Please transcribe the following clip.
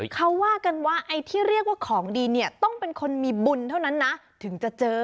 เขาว่ากันว่าไอ้ที่เรียกว่าของดีเนี่ยต้องเป็นคนมีบุญเท่านั้นนะถึงจะเจอ